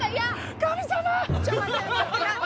神様！